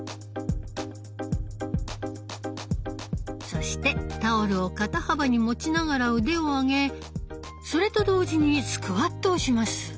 そしてタオルを肩幅に持ちながら腕を上げそれと同時にスクワットをします。